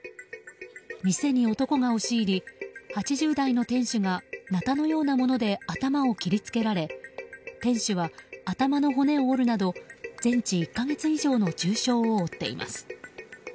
店に男が押し入り８０代の店主がなたのようなもので頭を切り付けられ店主は頭の骨を折るなど全治１か月以上の重傷を負っています。